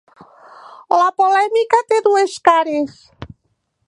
La polèmica té dues cares.